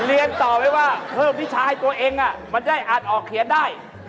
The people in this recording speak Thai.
เรียนต่อไว้ว่าเพิ่มวิชาให้ตัวเองมันจะได้อาจออกเขียนได้